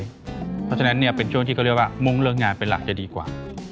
เพราะฉะนั้นเป็นช่วงที่เขาเรียกว่ามุ่งเรื่องงานเป็นหลักจะดีกว่า